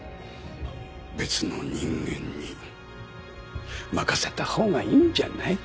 別の人間に任せた方がいいんじゃない？